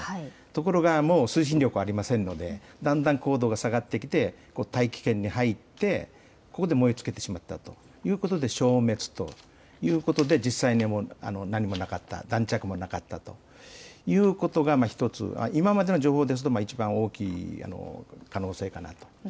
ところが推進力はありませんのでだんだん高度が下がってきて大気圏に入ってここで燃え尽きてしまったということで消滅ということで、実際に何もなかった、弾着もなかったということが１つ、今までの情報ですといちばん大きい可能性かなと。